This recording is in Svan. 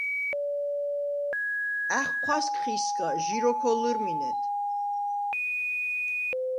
ა̈ხჴვასგხ ისგა, ჟი როქვ ოლჷრმინედ.